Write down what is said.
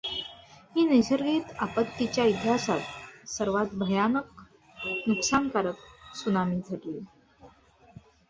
ही नैसर्गिक आपत्तीच्या इतिहासात सर्वांत भयानक नुकसानकारक त्सुनामी ठरली.